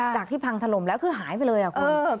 ที่พังถล่มแล้วคือหายไปเลยคุณ